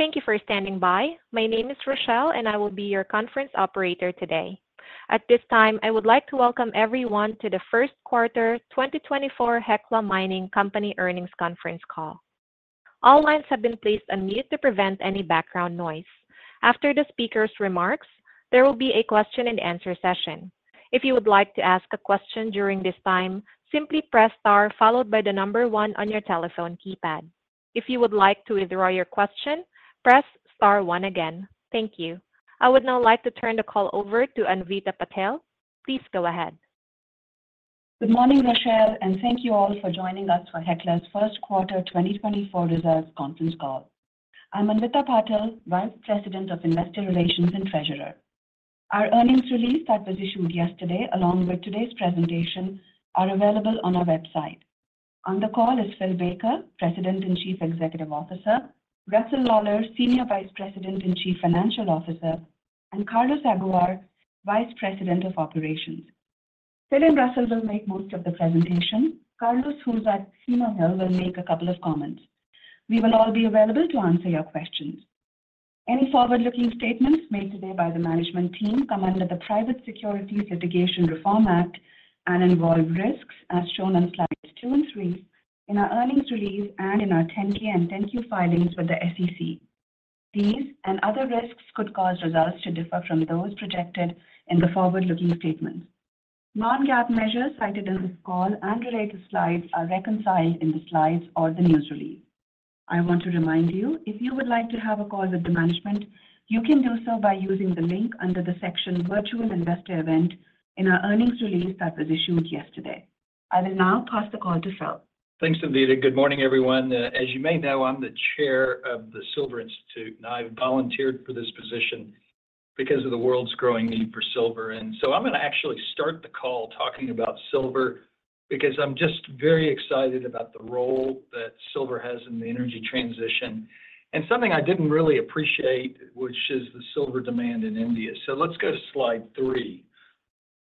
Thank you for standing by. My name is Rochelle, and I will be your conference operator today. At this time, I would like to welcome everyone to the first quarter 2024 Hecla Mining Company earnings conference call. All lines have been placed on mute to prevent any background noise. After the speaker's remarks, there will be a question and answer session. If you would like to ask a question during this time, simply press star followed by the number one on your telephone keypad. If you would like to withdraw your question, press star one again. Thank you. I would now like to turn the call over to Anvita Patel. Please go ahead. Good morning, Rochelle, and thank you all for joining us for Hecla's first quarter 2024 results conference call. I'm Anvita Patel, Vice President of Investor Relations and Treasurer. Our earnings release that was issued yesterday, along with today's presentation, are available on our website. On the call is Phil Baker, President and Chief Executive Officer, Russell Lawlar, Senior Vice President and Chief Financial Officer, and Carlos Aguiar, Vice President of Operations. Phil and Russell will make most of the presentation. Carlos, who's at Keno Hill, will make a couple of comments. We will all be available to answer your questions. Any forward-looking statements made today by the management team come under the Private Securities Litigation Reform Act and involve risks as shown on slides two and three in our earnings release and in our 10-K and 10-Q filings with the SEC. These and other risks could cause results to differ from those projected in the forward-looking statements. Non-GAAP measures cited in this call and related slides are reconciled in the slides or the news release. I want to remind you, if you would like to have a call with the management, you can do so by using the link under the section Virtual Investor Event in our earnings release that was issued yesterday. I will now pass the call to Phil. Thanks, Anvita. Good morning, everyone. As you may know, I'm the Chair of the Silver Institute, and I volunteered for this position because of the world's growing need for silver. And so I'm going to actually start the call talking about silver, because I'm just very excited about the role that silver has in the energy transition, and something I didn't really appreciate, which is the silver demand in India. So let's go to slide three.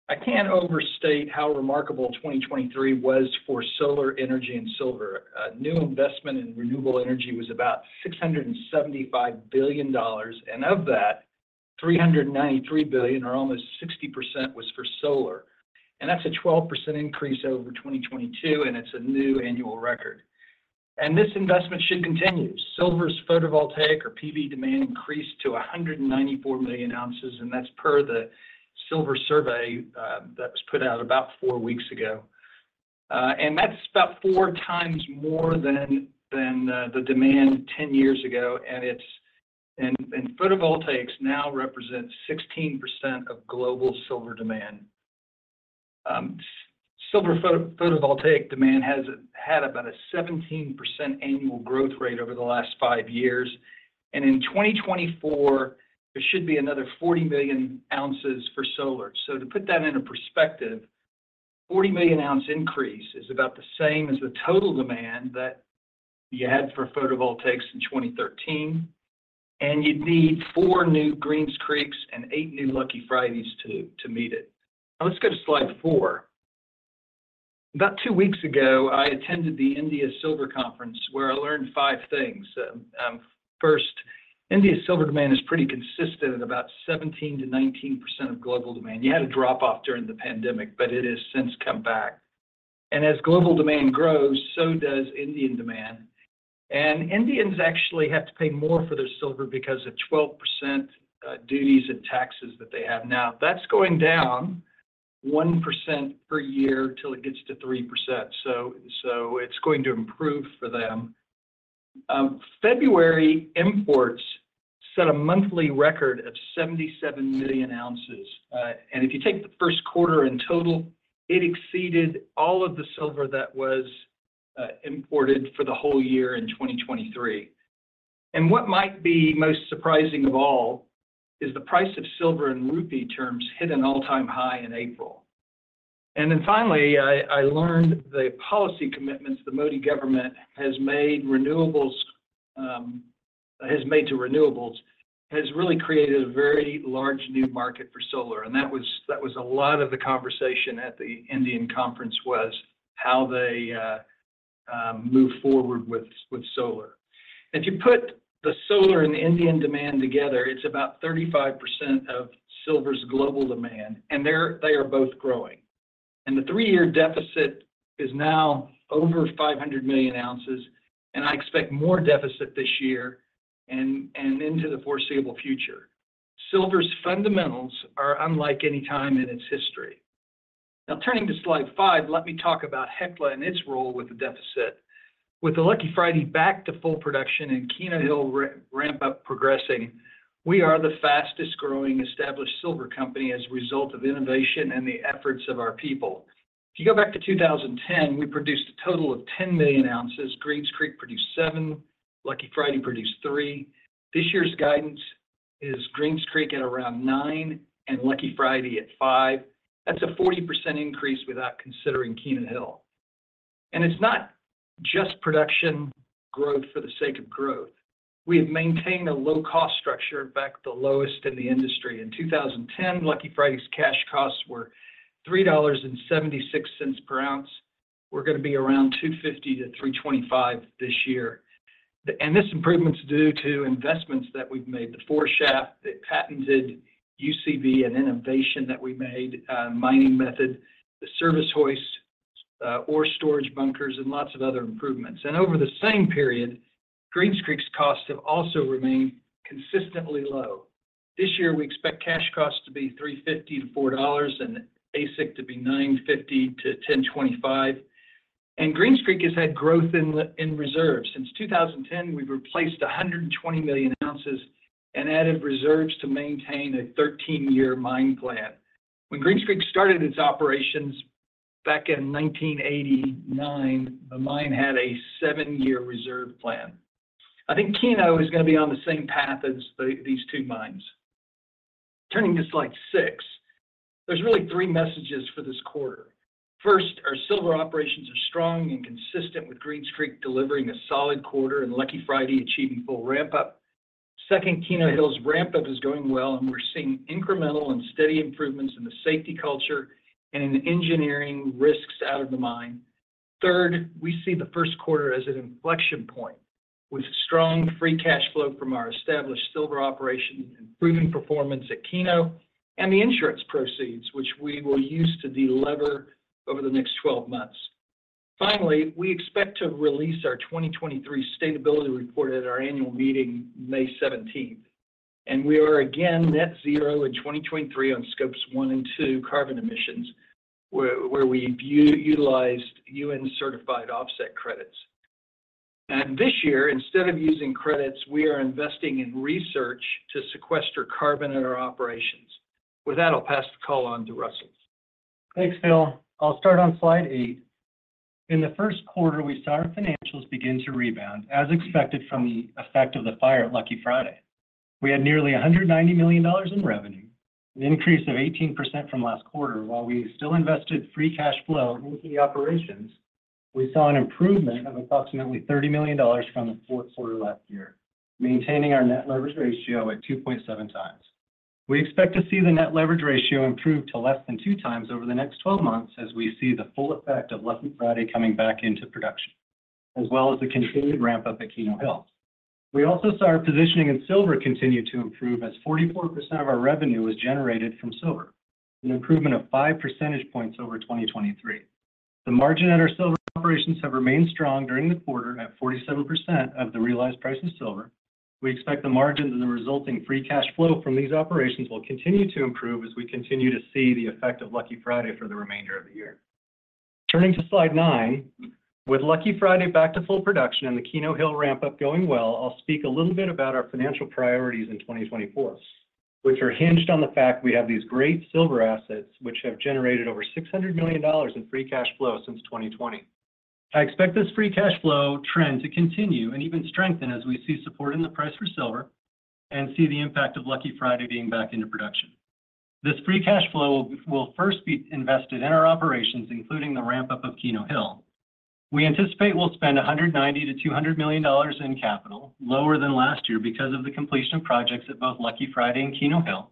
I can't overstate how remarkable 2023 was for solar energy and silver. New investment in renewable energy was about $675 billion, and of that, $393 billion or almost 60% was for solar. And that's a 12% increase over 2022, and it's a new annual record. And this investment should continue. Silver's photovoltaic or PV demand increased to 194 million oz, and that's per the silver survey that was put out about four weeks ago. And that's about four times more than the demand 10 years ago, and photovoltaics now represents 16% of global silver demand. Silver photovoltaic demand has had about a 17% annual growth rate over the last five years, and in 2024, there should be another 40 million oz for solar. So to put that into perspective, 40 million-oz increase is about the same as the total demand that you had for photovoltaics in 2013, and you'd need four new Greens Creeks and eight new Lucky Fridays to meet it. Now, let's go to slide four. About two weeks ago, I attended the India Silver Conference, where I learned five things. First, India's silver demand is pretty consistent at about 17%-19% of global demand. You had a drop-off during the pandemic, but it has since come back. As global demand grows, so does Indian demand. Indians actually have to pay more for their silver because of 12%, duties and taxes that they have. Now, that's going down 1% per year till it gets to 3%, so it's going to improve for them. February imports set a monthly record of 77 million oz, and if you take the first quarter in total, it exceeded all of the silver that was imported for the whole year in 2023. What might be most surprising of all is the price of silver in rupee terms hit an all-time high in April. And then finally, I learned the policy commitments the Modi government has made renewables, has made to renewables, has really created a very large new market for solar, andthat was a lot of the conversation at the Indian conference was how they move forward with solar. If you put the solar and Indian demand together, it's about 35% of silver's global demand, and they are both growing. And the three-year deficit is now over 500 million oz, and I expect more deficit this year and into the foreseeable future. Silver's fundamentals are unlike any time in its history. Now, turning to slide five, let me talk about Hecla and its role with the deficit. With the Lucky Friday back to full production and Keno Hill ramp up progressing, we are the fastest growing established silver company as a result of innovation and the efforts of our people. If you go back to 2010, we produced a total of 10 million oz. Greens Creek produced 7 million oz, Lucky Friday produced 3 million oz. This year's guidance is Greens Creek at around 9 million oz and Lucky Friday at 5 million oz. That's a 40% increase without considering Keno Hill. And it's not just production growth for the sake of growth. We have maintained a low-cost structure, in fact, the lowest in the industry. In 2010, Lucky Friday's cash costs were $3.76 per ounce. We're gonna be around $2.50-$3.25 this year. And this improvement's due to investments that we've made, the four shaft, the patented UCB, an innovation that we made, mining method, service hoist, ore storage bunkers, and lots of other improvements. And over the same period, Greens Creek's costs have also remained consistently low. This year, we expect cash costs to be $3.50-$4, and AISC to be $9.50-$10.25. And Greens Creek has had growth in reserves. Since 2010, we've replaced 120 million oz and added reserves to maintain a 13-year mine plan. When Greens Creek started its operations back in 1989, the mine had a seven-year reserve plan. I think Keno is gonna be on the same path as these two mines. Turning to slide six, there's really three messages for this quarter. First, our silver operations are strong and consistent, with Greens Creek delivering a solid quarter and Lucky Friday achieving full ramp-up. Second, Keno Hill's ramp-up is going well, and we're seeing incremental and steady improvements in the safety culture and in engineering risks out of the mine. Third, we see the first quarter as an inflection point, with strong free cash flow from our established silver operation, improving performance at Keno, and the insurance proceeds, which we will use to delever over the next 12 months. Finally, we expect to release our 2023 sustainability report at our annual meeting, May 17th, and we are again net zero in 2023 on scopes 1 and 2 carbon emissions, where we utilized UN-certified offset credits. And this year, instead of using credits, we are investing in research to sequester carbon in our operations. With that, I'll pass the call on to Russell. Thanks, Phil. I'll start on slide eight. In the first quarter, we saw our financials begin to rebound, as expected from the effect of the fire at Lucky Friday. We had nearly $190 million in revenue, an increase of 18% from last quarter. While we still invested free cash flow into the operations, we saw an improvement of approximately $30 million from the fourth quarter last year, maintaining our net leverage ratio at 2.7x. We expect to see the net leverage ratio improve to less than 2x over the next 12 months as we see the full effect of Lucky Friday coming back into production, as well as the continued ramp-up at Keno Hill. We also saw our positioning in silver continue to improve, as 44% of our revenue was generated from silver, an improvement of 5 percentage points over 2023. The margin at our silver operations have remained strong during the quarter at 47% of the realized price of silver. We expect the margins and the resulting free cash flow from these operations will continue to improve as we continue to see the effect of Lucky Friday for the remainder of the year. Turning to slide nine, with Lucky Friday back to full production and the Keno Hill ramp-up going well, I'll speak a little bit about our financial priorities in 2024, which are hinged on the fact we have these great silver assets, which have generated over $600 million in free cash flow since 2020. I expect this free cash flow trend to continue and even strengthen as we see support in the price for silver and see the impact of Lucky Friday being back into production. This free cash flow will first be invested in our operations, including the ramp-up of Keno Hill. We anticipate we'll spend $190 million-$200 million in capital, lower than last year because of the completion of projects at both Lucky Friday and Keno Hill.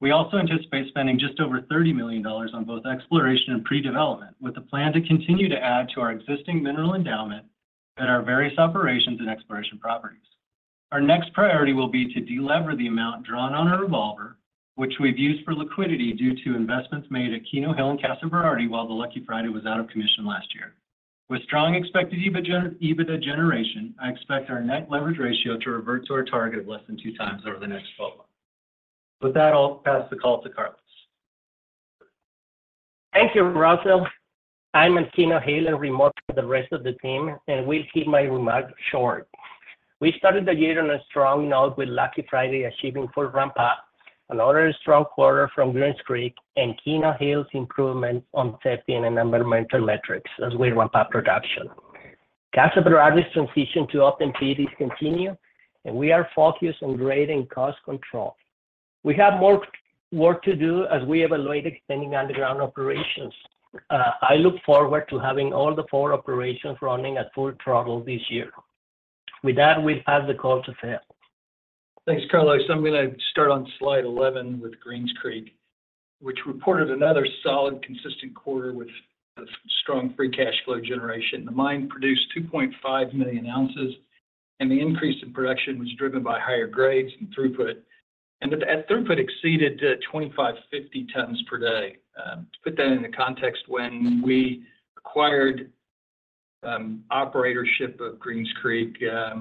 We also anticipate spending just over $30 million on both exploration and pre-development, with a plan to continue to add to our existing mineral endowment at our various operations and exploration properties. Our next priority will be to delever the amount drawn on our revolver, which we've used for liquidity due to investments made at Keno Hill and Casa Berardi while the Lucky Friday was out of commission last year. With strong expected EBITDA generation, I expect our net leverage ratio to revert to our target of less than 2x over the next 12 months. With that, I'll pass the call to Carlos. Thank you, Russell. I'm in Keno Hill and remote to the rest of the team, and will keep my remarks short. We started the year on a strong note with Lucky Friday achieving full ramp-up, another strong quarter from Greens Creek, and Keno Hill's improvements on safety and environmental metrics as we ramp up production. Casa Berardi's transition to open pits continue, and we are focused on grading cost control. We have more work to do as we evaluate extending underground operations. I look forward to having all the four operations running at full throttle this year. With that, we pass the call to Phil. Thanks, Carlos. I'm gonna start on slide 11 with Greens Creek, which reported another solid, consistent quarter with a strong free cash flow generation. The mine produced 2.5 million oz, and the increase in production was driven by higher grades and throughput. And the throughput exceeded 2,550 tons per day. To put that into context, when we acquired operatorship of Greens Creek,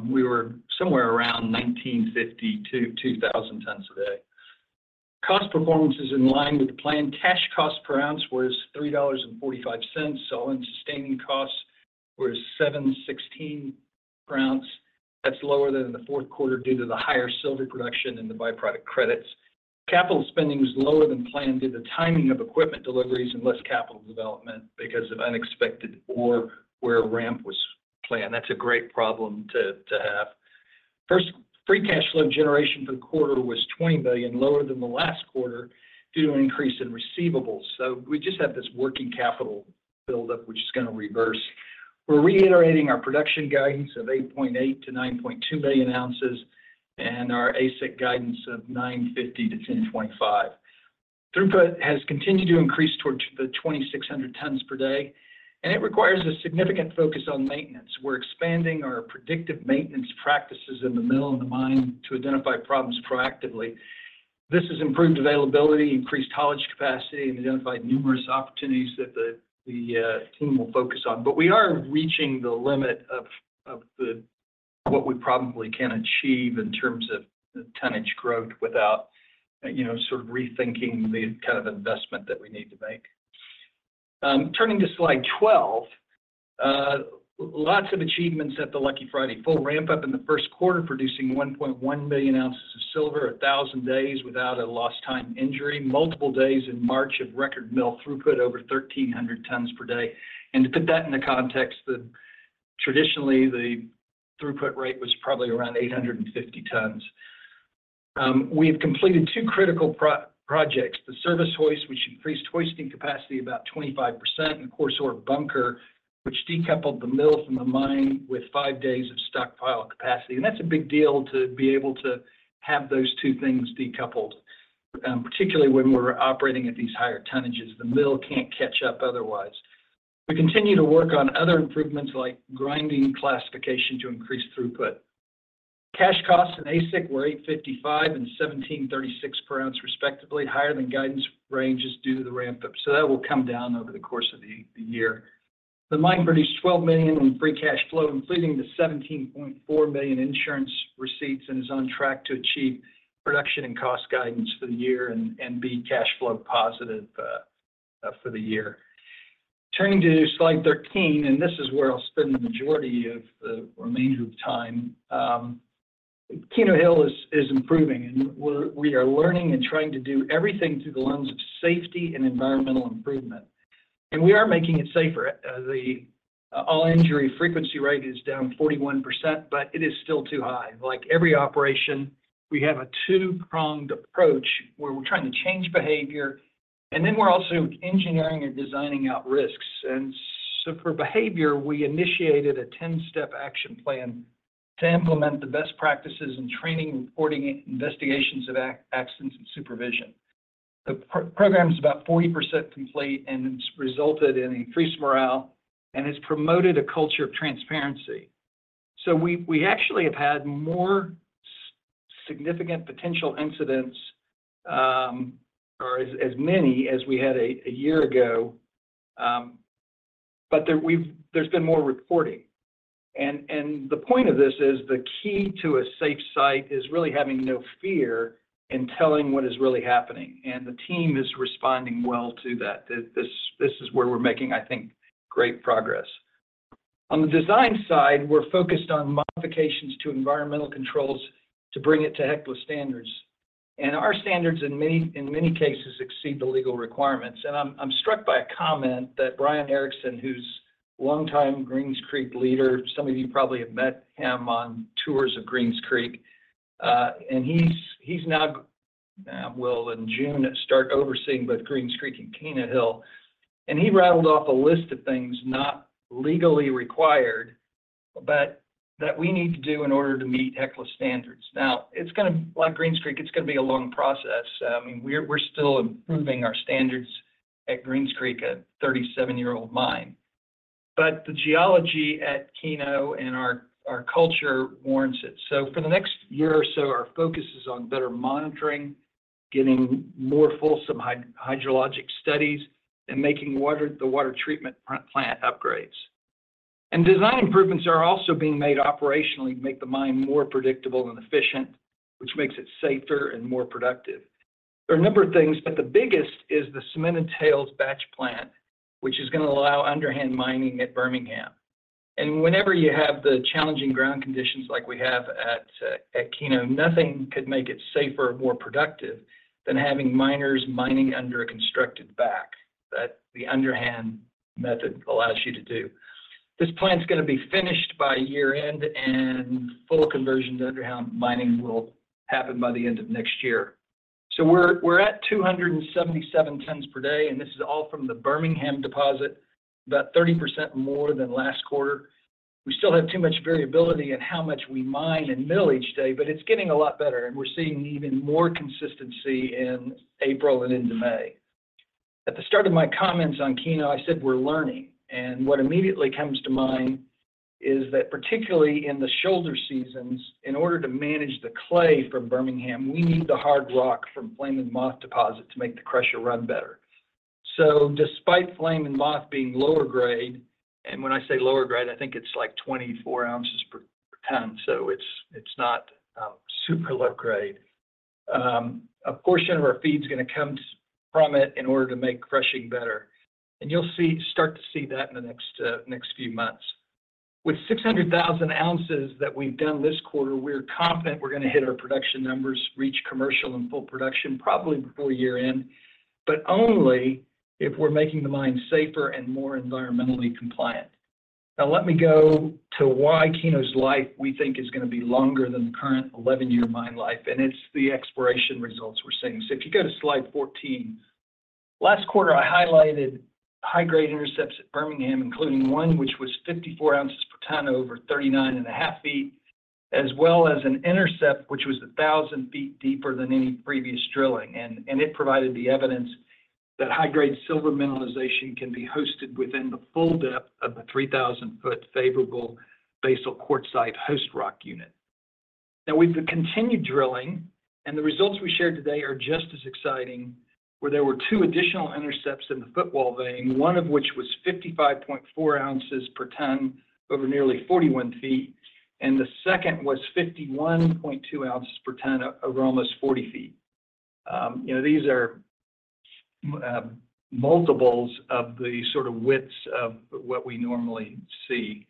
we were somewhere around 1,950-2,000 tons a day. Cost performance is in line with the plan. Cash cost per ounce was $3.45, so all-in sustaining costs were $716 per ounce. That's lower than in the fourth quarter due to the higher silver production and the byproduct credits. Capital spending was lower than planned due to timing of equipment deliveries and less capital development because of unexpected ore where a ramp was planned. That's a great problem to have. First, free cash flow generation for the quarter was $20 million, lower than the last quarter due to an increase in receivables. So we just have this working capital build-up, which is gonna reverse. We're reiterating our production guidance of 8.8 million oz-9.2 million oz, and our AISC guidance of $9.50-$10.25. Throughput has continued to increase towards the 2,600 tons per day, and it requires a significant focus on maintenance. We're expanding our predictive maintenance practices in the mill and the mine to identify problems proactively. This has improved availability, increased haulage capacity, and identified numerous opportunities that the team will focus on. But we are reaching the limit of the what we probably can achieve in terms of the tonnage growth without, you know, sort of rethinking the kind of investment that we need to make. Turning to slide 12, lots of achievements at the Lucky Friday. Full ramp up in the first quarter, producing 1.1 million oz of silver, 1,000 days without a lost-time injury, multiple days in March of record mill throughput, over 1,300 tons per day. And to put that into context, traditionally, the throughput rate was probably around 850 tons. We have completed two critical projects, the service hoist, which increased hoisting capacity about 25%, and coarse ore bunker, which decoupled the mill from the mine with five days of stockpile capacity. That's a big deal to be able to have those two things decoupled, particularly when we're operating at these higher tonnages. The mill can't catch up otherwise. We continue to work on other improvements like grinding classification to increase throughput. Cash costs and AISC were $855 and $1,736 per ounce, respectively, higher than guidance ranges due to the ramp up. That will come down over the course of the year. The mine produced $12 million in free cash flow, including the $17.4 million insurance receipts, and is on track to achieve production and cost guidance for the year and be cash flow positive for the year. Turning to slide 13, and this is where I'll spend the majority of the remainder of time. Keno Hill is improving, and we are learning and trying to do everything through the lens of safety and environmental improvement, and we are making it safer. The all injury frequency rate is down 41%, but it is still too high. Like every operation, we have a two-pronged approach, where we're trying to change behavior, and then we're also engineering and designing out risks. And so for behavior, we initiated a 10-step action plan to implement the best practices in training, reporting, investigations of accidents, and supervision. The program is about 40% complete, and it's resulted in increased morale, and has promoted a culture of transparency. So we actually have had more significant potential incidents, or as many as we had a year ago, but there's been more reporting. And the point of this is, the key to a safe site is really having no fear in telling what is really happening, and the team is responding well to that. This is where we're making, I think, great progress. On the design side, we're focused on modifications to environmental controls to bring it to Hecla standards. And our standards in many cases, exceed the legal requirements. And I'm struck by a comment that Brian Erickson, who's a longtime Greens Creek leader, some of you probably have met him on tours of Greens Creek, and he's now, well in June, start overseeing both Greens Creek and Keno Hill. And he rattled off a list of things not legally required, but that we need to do in order to meet Hecla standards. Now, it's gonna... Like Greens Creek, it's gonna be a long process. We're still improving our standards at Greens Creek, a 37-year-old mine. But the geology at Keno and our culture warrants it. So for the next year or so, our focus is on better monitoring, getting more fulsome hydrologic studies, and making the water treatment plant upgrades. And design improvements are also being made operationally to make the mine more predictable and efficient, which makes it safer and more productive. There are a number of things, but the biggest is the cemented tails batch plant, which is gonna allow underhand mining at Bermingham. And whenever you have the challenging ground conditions like we have at Keno, nothing could make it safer or more productive than having miners mining under a constructed back, that the underhand method allows you to do. This plant is gonna be finished by year-end, and full conversion to underhand mining will happen by the end of next year. So we're at 277 tons per day, and this is all from the Bermingham deposit, about 30% more than last quarter. We still have too much variability in how much we mine and mill each day, but it's getting a lot better, and we're seeing even more consistency in April and into May. At the start of my comments on Keno, I said we're learning, and what immediately comes to mind is that, particularly in the shoulder seasons, in order to manage the clay from Bermingham, we need the hard rock from Flame & Moth deposit to make the crusher run better. So despite Flame & Moth being lower grade, and when I say lower grade, I think it's like 24 oz per ton, so it's not super low grade. A portion of our feed is gonna come from it in order to make crushing better, and you'll see-- start to see that in the next few months. With 600,000 oz that we've done this quarter, we're confident we're gonna hit our production numbers, reach commercial and full production, probably before year-end, but only if we're making the mine safer and more environmentally compliant. Now, let me go to why Keno's life, we think, is gonna be longer than the current 11-year mine life, and it's the exploration results we're seeing. So if you go to slide 14. Last quarter, I highlighted high-grade intercepts at Bermingham, including one which was 54 oz per ton over 39.5 ft, as well as an intercept, which was a 1,000 ft deeper than any previous drilling. And it provided the evidence that high-grade silver mineralization can be hosted within the full depth of the 3,000-ft favorable basal quartzite host rock unit. Now, we've been continued drilling, and the results we shared today are just as exciting, where there were two additional intercepts in the Footwall vein, one of which was 55.4 oz per ton over nearly 41 ft, and the second was 51.2 oz per ton over almost 40 ft. You know, these are multiples of the sort of widths of what we normally see.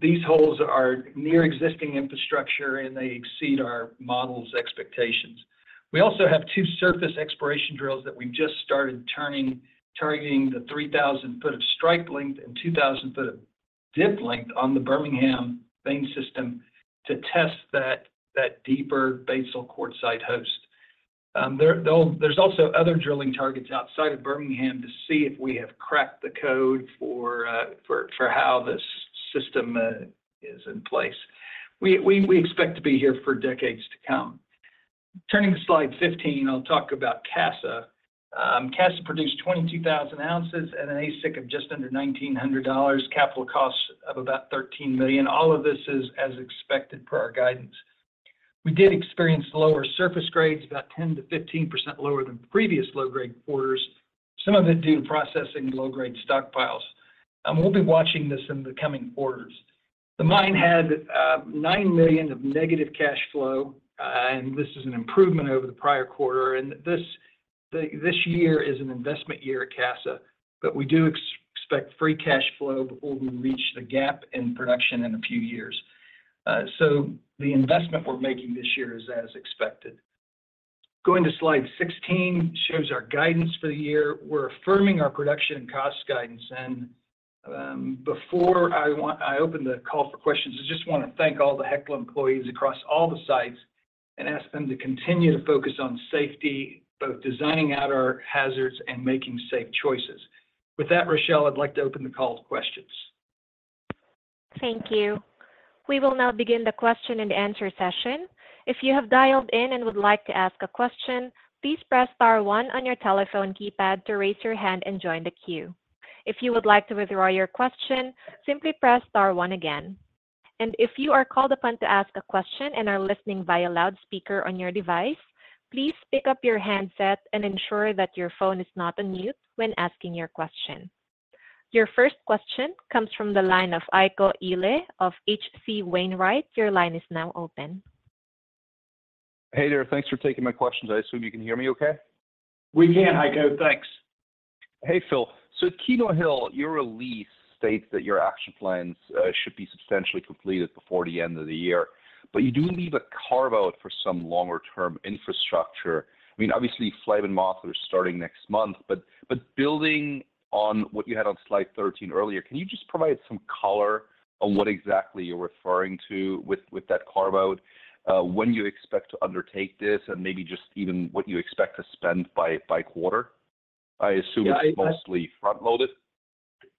These holes are near existing infrastructure, and they exceed our model's expectations. We also have two surface exploration drills that we've just started turning, targeting the 3,000 ft of strike length and 2,000 ft of dip length on the Bermingham vein system to test that deeper basal quartzite host. There's also other drilling targets outside of Bermingham to see if we have cracked the code for how this system is in place. We expect to be here for decades to come. Turning to slide 15, I'll talk about Casa. Casa produced 22,000 oz and an AISC of just under $1,900, capital costs of about $13 million. All of this is as expected per our guidance. We did experience lower surface grades, about 10%-15% lower than previous low-grade quarters, some of it due to processing low-grade stockpiles. We'll be watching this in the coming quarters. The mine had $9 million of negative cash flow, and this is an improvement over the prior quarter, and this year is an investment year at Casa, but we do expect free cash flow before we reach the gap in production in a few years. So the investment we're making this year is as expected. Going to slide 16 shows our guidance for the year. We're affirming our production and cost guidance. Before I open the call for questions, I just want to thank all the Hecla employees across all the sites and ask them to continue to focus on safety, both designing out our hazards and making safe choices. With that, Rochelle, I'd like to open the call to questions. Thank you. We will now begin the question and answer session. If you have dialed in and would like to ask a question, please press star one on your telephone keypad to raise your hand and join the queue. If you would like to withdraw your question, simply press star one again. If you are called upon to ask a question and are listening via loudspeaker on your device, please pick up your handset and ensure that your phone is not on mute when asking your question. Your first question comes from the line of Heiko Ihle of H.C. Wainwright. Your line is now open. Hey there. Thanks for taking my questions. I assume you can hear me okay? We can, Heiko. Thanks. Hey, Phil. So Keno Hill, your release states that your action plans should be substantially completed before the end of the year, but you do leave a carve-out for some longer-term infrastructure. I mean, obviously, Flame & Moth are starting next month, but building on what you had on slide 13 earlier, can you just provide some color on what exactly you're referring to with that carve-out, when you expect to undertake this, and maybe just even what you expect to spend by quarter? I assume It's mostly front-loaded?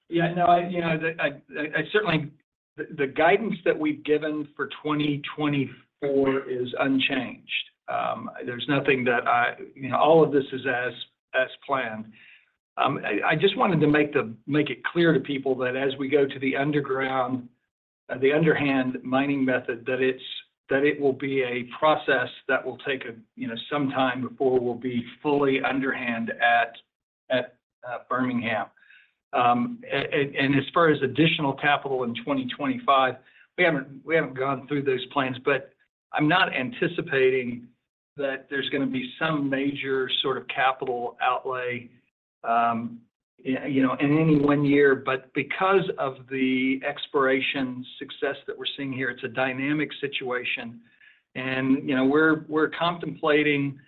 Yeah, no, I, you know, I certainly, the guidance that we've given for 2024 is unchanged. There's nothing that I... you know, all of this is as planned. I just wanted to make it clear to people that as we go to the underground, the underhand mining method, that it will be a process that will take, you know, some time before we'll be fully underhand at Bermingham. And as far as additional capital in 2025, we haven't gone through those plans, but I'm not anticipating that there's gonna be some major sort of capital outlay, you know, in any one year. But because of the exploration success that we're seeing here, it's a dynamic situation and, you know, we're contemplating,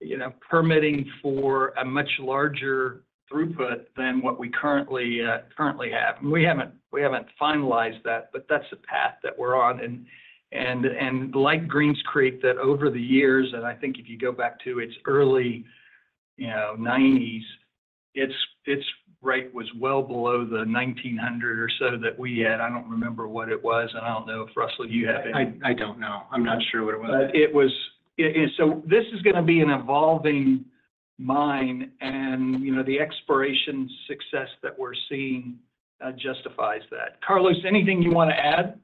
you know, permitting for a much larger throughput than what we currently have. And we haven't finalized that, but that's the path that we're on. And like Greens Creek, that over the years, and I think if you go back to its early, you know, 1990s, its rate was well below the 1,900 or so that we had. I don't remember what it was, and I don't know if, Russell, you have any- I don't know. I'm not sure what it was. And so this is gonna be an evolving mine, and, you know, the exploration success that we're seeing justifies that. Carlos, anything you want to add?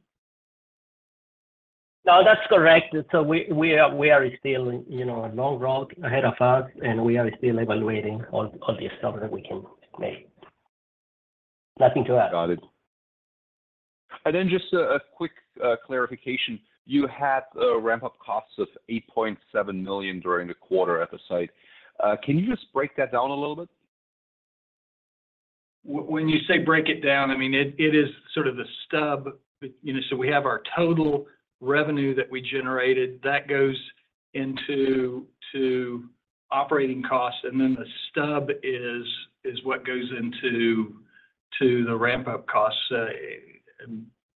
No, that's correct. So we are still, you know, a long road ahead of us, and we are still evaluating all the discoveries that we can make. Nothing to add. Got it. And then just a quick clarification: You had ramp-up costs of $8.7 million during the quarter at the site. Can you just break that down a little bit? When you say break it down, I mean, it is sort of the stub. You know, so we have our total revenue that we generated, that goes into operating costs, and then the stub is what goes into the ramp-up costs.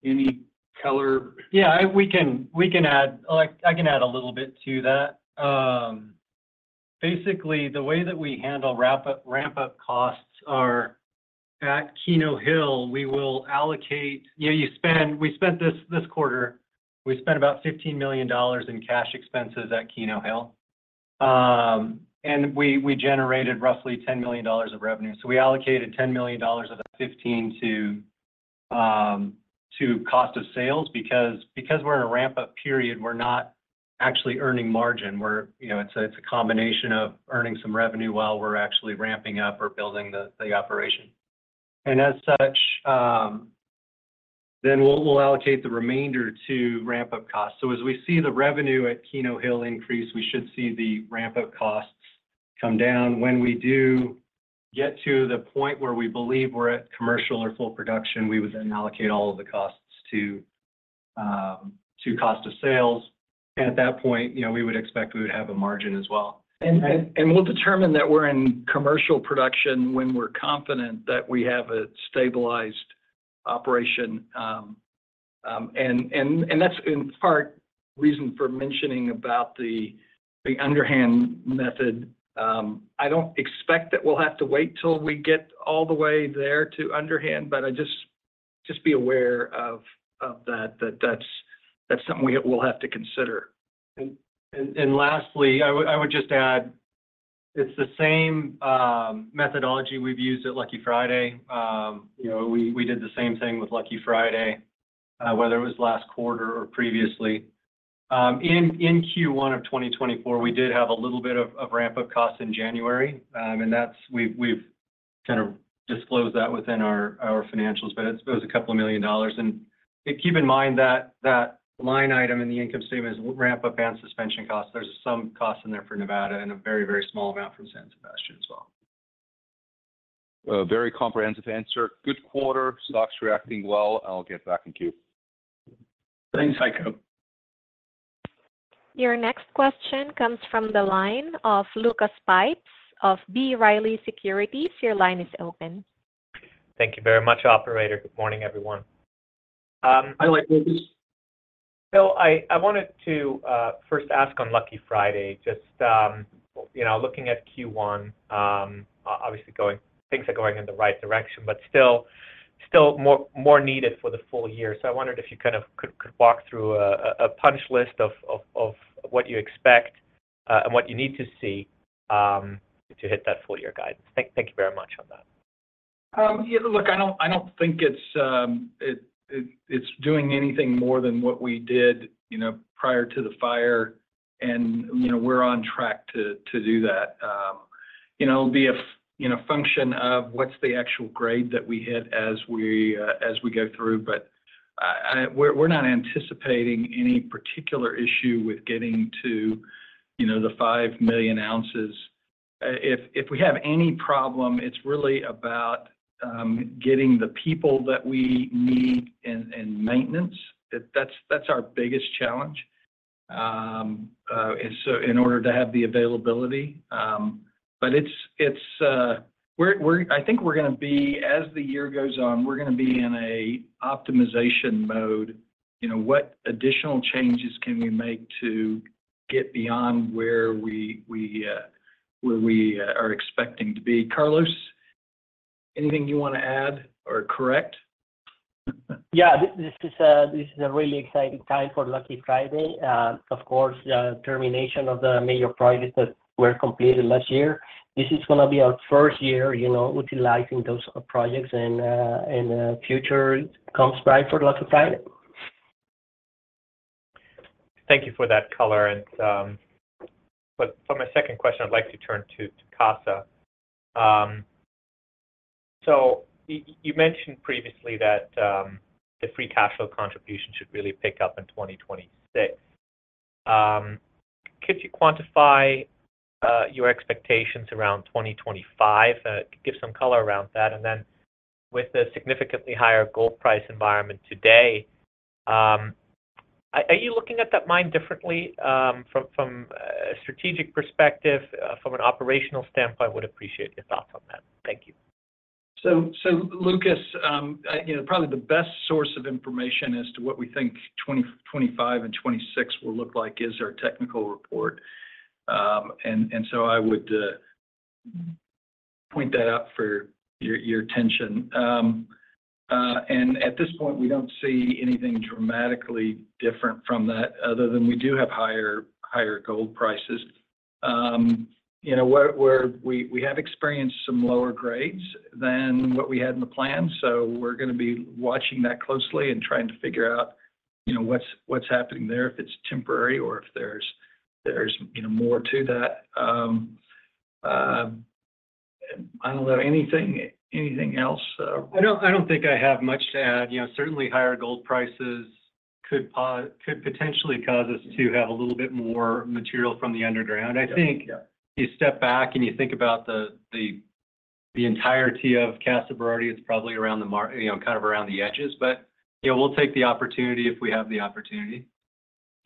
Any color? Yeah, we can add, like, I can add a little bit to that. Basically, the way that we handle ramp-up costs at Keno Hill, we will allocate, you know, we spent this quarter, we spent about $15 million in cash expenses at Keno Hill. And we generated roughly $10 million of revenue. So we allocated $10 million of the $15 million to cost of sales, because we're in a ramp-up period, we're not actually earning margin. We're, you know, it's a combination of earning some revenue while we're actually ramping up or building the operation. And as such, then we'll allocate the remainder to ramp-up costs. So as we see the revenue at Keno Hill increase, we should see the ramp-up costs come down. When we do get to the point where we believe we're at commercial or full production, we would then allocate all of the costs to cost of sales. At that point, you know, we would expect we would have a margin as well. We'll determine that we're in commercial production when we're confident that we have a stabilized operation. That's in part reason for mentioning about the underhand method. I don't expect that we'll have to wait till we get all the way there to underhand, but just be aware of that that's something we'll have to consider. Lastly, I would just add, it's the same methodology we've used at Lucky Friday. You know, we did the same thing with Lucky Friday, whether it was last quarter or previously. In Q1 of 2024, we did have a little bit of ramp-up costs in January. And that's, we've kind of disclosed that within our financials, but I suppose a couple of million dollars. And keep in mind that that line item in the income statement is ramp-up and suspension costs. There's some costs in there for Nevada and a very, very small amount from San Sebastian as well. Very comprehensive answer. Good quarter. Stock's reacting well. I'll get back in queue. Thanks, Heiko. Your next question comes from the line of Lucas Pipes of B. Riley Securities. Your line is open. Thank you very much, operator. Good morning, everyone. Hi, Lucas. So I wanted to first ask on Lucky Friday, just you know, looking at Q1, obviously, going, things are going in the right direction, but still more needed for the full year. So I wondered if you could walk through a punch list of what you expect and what you need to see to hit that full year guidance? Thank you very much on that. Yeah, look, I don't think it's doing anything more than what we did, you know, prior to the fire, and, you know, we're on track to do that. You know, it'll be a function of what's the actual grade that we hit as we go through. But, we're not anticipating any particular issue with getting to, you know, the 5 million oz. If we have any problem, it's really about getting the people that we need and maintenance. That's our biggest challenge. And so in order to have the availability. But it's, we're, I think we're gonna be, as the year goes on, we're gonna be in a optimization mode. You know, what additional changes can we make to get beyond where we are expecting to be? Carlos, anything you want to add or correct? Yeah. This is a really exciting time for Lucky Friday. Of course, the termination of the major projects that were completed last year. This is gonna be our first year, you know, utilizing those projects, and future comes by for Lucky Friday. Thank you for that color. But for my second question, I'd like to turn to Casa. So you mentioned previously that the free cash flow contribution should really pick up in 2026. Could you quantify your expectations around 2025? Give some color around that? And then, with the significantly higher gold price environment today, are you looking at that mine differently, from a strategic perspective, from an operational standpoint? I would appreciate your thoughts on that. Thank you. So, Lucas, you know, probably the best source of information as to what we think 2025 and 2026 will look like is our technical report. I would point that out for your attention. At this point, we don't see anything dramatically different from that, other than we do have higher gold prices. You know, we have experienced some lower grades than what we had in the plan, so we're gonna be watching that closely and trying to figure out, you know, what's happening there, if it's temporary or if there's, you know, more to that. I don't know. Anything else? I don't think I have much to add. You know, certainly higher gold prices could potentially cause us to have a little bit more material from the underground. I think if you step back and you think about the entirety of Casa Berardi, it's probably around the, you know, kind of around the edges. But, you know, we'll take the opportunity if we have the opportunity.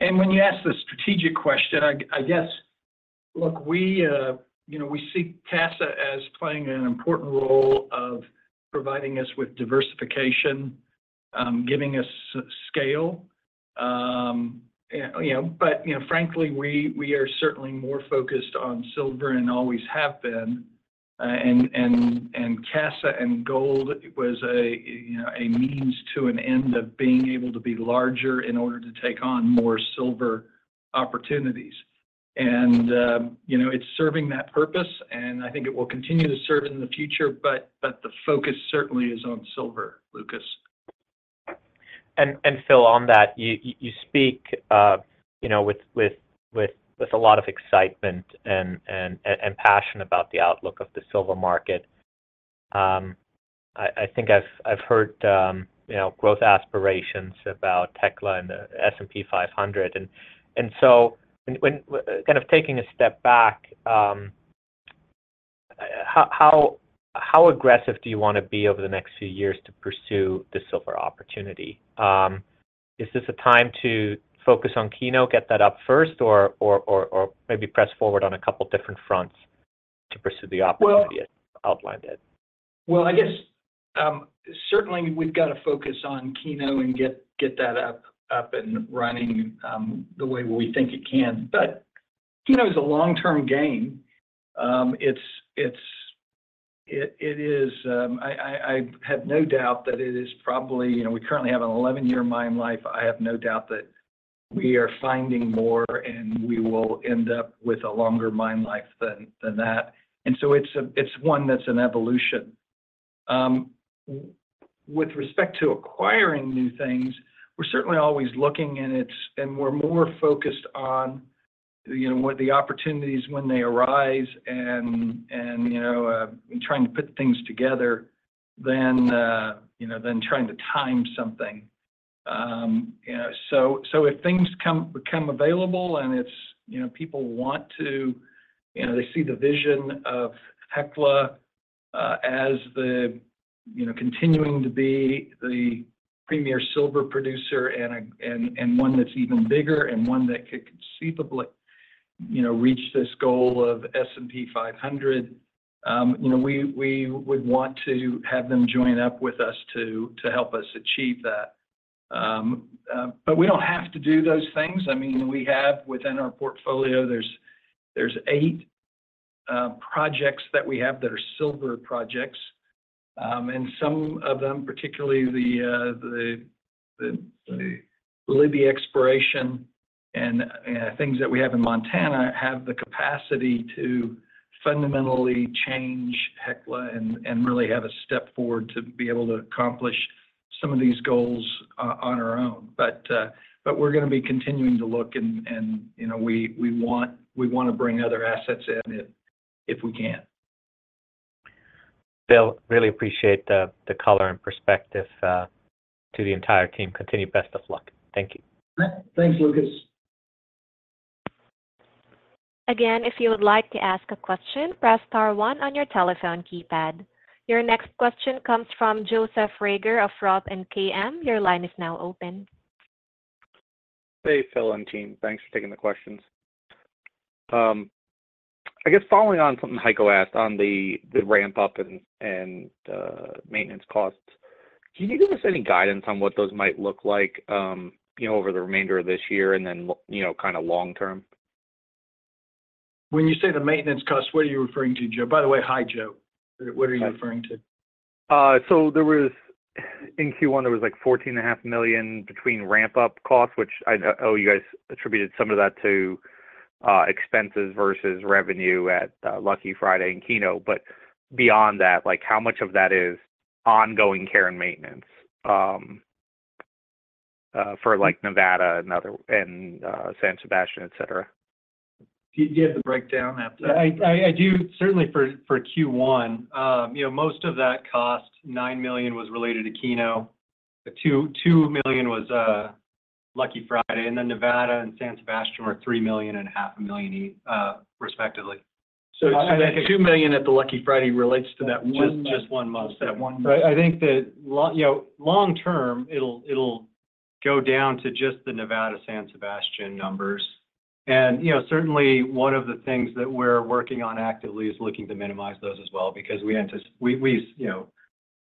When you ask the strategic question, look, we, you know, we see Casa as playing an important role of providing us with diversification, giving us scale. You know, but, you know, frankly, we are certainly more focused on silver and always have been. And Casa and gold was a, you know, a means to an end of being able to be larger in order to take on more silver opportunities. You know, it's serving that purpose, and I think it will continue to serve in the future, but the focus certainly is on silver, Lucas. Phil, on that, you speak, you know, with a lot of excitement and passion about the outlook of the silver market. I think I've heard, you know, growth aspirations about Hecla and the S&P 500. And so when kind of taking a step back, how aggressive do you want to be over the next few years to pursue the silver opportunity? Is this a time to focus on Keno, get that up first, or maybe press forward on a couple different fronts to pursue the opportunity outlined at? Well, I guess, certainly we've got to focus on Keno and get that up and running, the way we think it can. But Keno is a long-term game. It is, I have no doubt that it is probably... you know, we currently have an 11-year mine life. I have no doubt that we are finding more, and we will end up with a longer mine life than that. And so it's one that's an evolution. With respect to acquiring new things, we're certainly always looking, and we're more focused on, you know, what the opportunities when they arise and, you know, trying to put things together than, you know, than trying to time something. You know, so if things become available and it's, you know, people want to, you know, they see the vision of Hecla as the, you know, continuing to be the premier silver producer and one that's even bigger and one that could conceivably, you know, reach this goal of S&P 500, you know, we would want to have them join up with us to help us achieve that. But we don't have to do those things. I mean, we have within our portfolio, there's eight projects that we have that are silver projects. Some of them, particularly the Libby Exploration and things that we have in Montana, have the capacity to fundamentally change Hecla and really have a step forward to be able to accomplish some of these goals on our own. But we're going to be continuing to look and, you know, we want to bring other assets in if we can. Phil, really appreciate the color and perspective to the entire team. Continued best of luck. Thank you. Thanks, Lucas. Again, if you would like to ask a question, press star one on your telephone keypad. Your next question comes from Joseph Reagor of Roth MKM. Your line is now open. Hey, Phil and team. Thanks for taking the questions. I guess following on from what Heiko asked on the ramp-up and maintenance costs, can you give us any guidance on what those might look like, you know, over the remainder of this year and then you know, kind of long term? When you say the maintenance costs, what are you referring to, Joe? By the way, hi, Joe. What are you referring to? So there was, in Q1, there was like, $14.5 million between ramp-up costs, which you guys attributed some of that to expenses versus revenue at Lucky Friday and Keno. But beyond that, like, how much of that is ongoing care and maintenance for like Nevada and San Sebastian, et cetera? Do you have the breakdown that- I do certainly for Q1. You know, most of that cost, $9 million was related to Keno, $2 million was Lucky Friday, and then Nevada and San Sebastian were $3 million and $500,000, respectively. $2 million at the Lucky Friday relates to that one- Just, just one month. That one month. I think that, you know, long term, it'll go down to just the Nevada, San Sebastian numbers. And, you know, certainly one of the things that we're working on actively is looking to minimize those as well, because we, you know,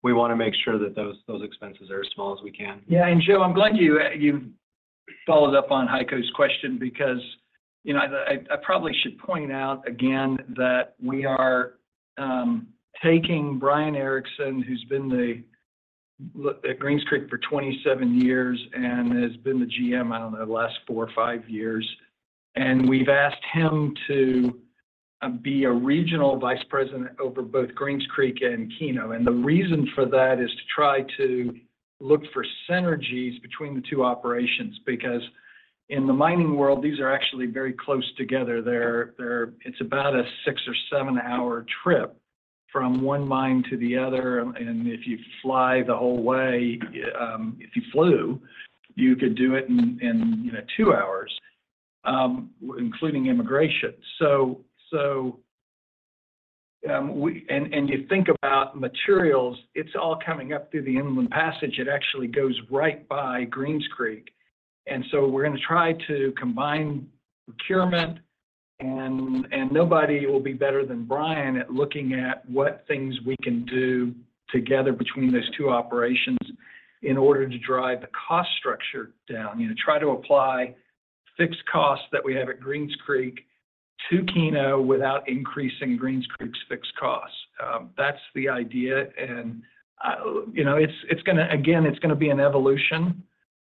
we want to make sure that those expenses are as small as we can. Yeah, and Joe, I'm glad you followed up on Heiko's question because, you know, I probably should point out again that we are taking Brian Erickson, who's been at Greens Creek for 27 years and has been the GM, I don't know, last four or five years, and we've asked him to be a regional vice president over both Greens Creek and Keno. And the reason for that is to try to look for synergies between the two operations, because in the mining world, these are actually very close together. They're, it's about a six or seven-hour trip from one mine to the other, and if you fly the whole way, if you flew, you could do it in two hours, including immigration. So... You think about materials, it's all coming up through the Inland Passage. It actually goes right by Greens Creek. So we're gonna try to combine procurement, and nobody will be better than Brian at looking at what things we can do together between those two operations in order to drive the cost structure down. You know, try to apply fixed costs that we have at Greens Creek to Keno without increasing Greens Creek's fixed costs. That's the idea, and you know, again, it's gonna be an evolution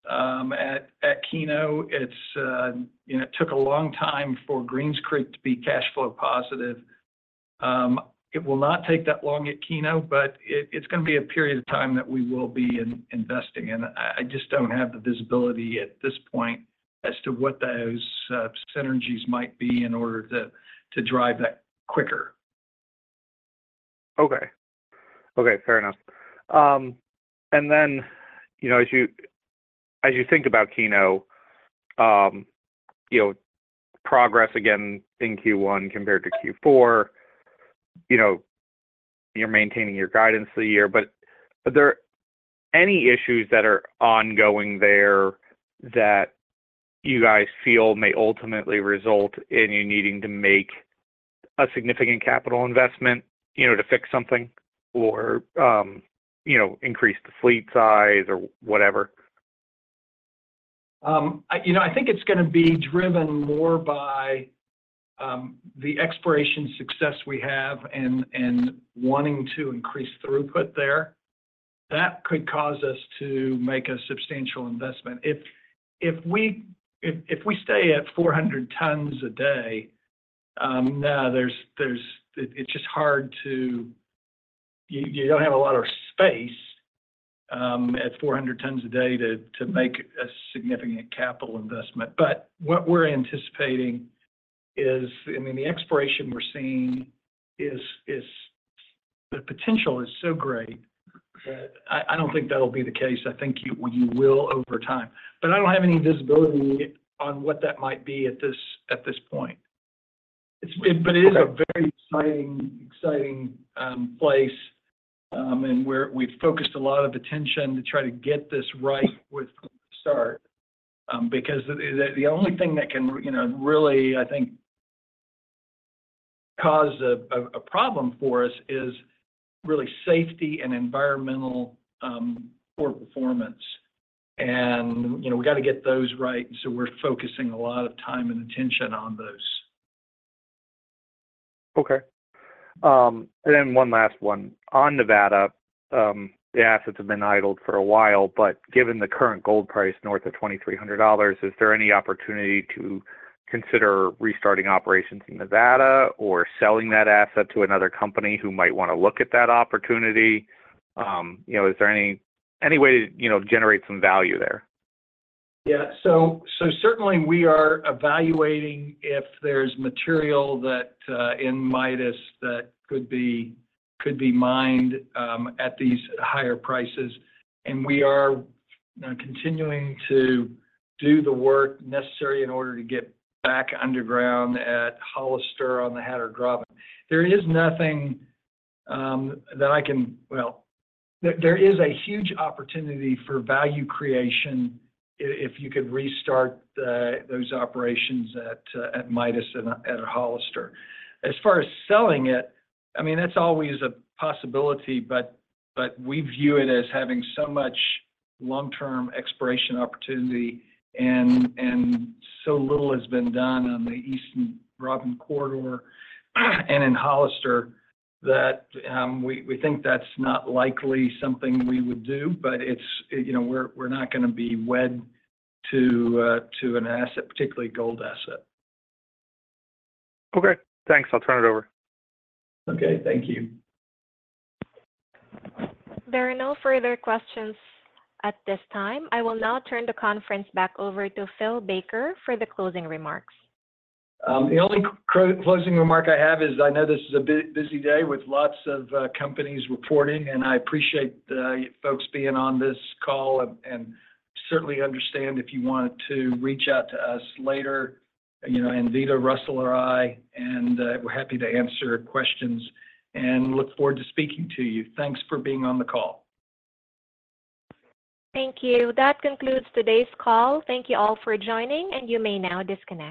at Keno. You know, it took a long time for Greens Creek to be cash flow positive. It will not take that long at Keno, but it's gonna be a period of time that we will be investing, and I just don't have the visibility at this point as to what those synergies might be in order to drive that quicker. Okay, fair enough. And then, you know, as you think about Keno, you know, progress again in Q1 compared to Q4, you know, you're maintaining your guidance for the year, but are there any issues that are ongoing there that you guys feel may ultimately result in you needing to make a significant capital investment, you know, to fix something or, you know, increase the fleet size or whatever? You know, I think it's gonna be driven more by the exploration success we have and wanting to increase throughput there. That could cause us to make a substantial investment. If we stay at 400 tons a day, no, there's— it's just hard to... you don't have a lot of space at 400 tons a day to make a significant capital investment. But what we're anticipating is, I mean, the exploration we're seeing— is the potential is so great, I don't think that'll be the case. I think you will over time. But I don't have any visibility on what that might be at this point. But it is a very exciting place, and we've focused a lot of attention to try to get this right with the start. Because the only thing that can, you know, really, I think, cause a problem for us is really safety and environmental poor performance. And, you know, we got to get those right, so we're focusing a lot of time and attention on those. Okay. And then one last one. On Nevada, the assets have been idled for a while, but given the current gold price north of $2,300, is there any opportunity to consider restarting operations in Nevada or selling that asset to another company who might want to look at that opportunity? You know, is there any way to, you know, generate some value there? Yeah. So, certainly we are evaluating if there's material that in Midas that could be mined at these higher prices. And we are continuing to do the work necessary in order to get back underground at Hollister on the Hatter Graben. There is nothing that I can, well, there is a huge opportunity for value creation if you could restart those operations at Midas and at Hollister. As far as selling it, I mean, that's always a possibility, but we view it as having so much long-term exploration opportunity and so little has been done on the Eastern Graben Corridor, and in Hollister, that we think that's not likely something we would do, but it's, you know, we're not gonna be wed to an asset, particularly gold asset. Okay. Thanks. I'll turn it over. Okay, thank you. There are no further questions at this time. I will now turn the conference back over to Phil Baker for the closing remarks. The only closing remark I have is, I know this is a busy day with lots of companies reporting, and I appreciate you folks being on this call and certainly understand if you want to reach out to us later, you know, Anvita, Russell, or I, and we're happy to answer questions and look forward to speaking to you. Thanks for being on the call. Thank you. That concludes today's call. Thank you all for joining, and you may now disconnect.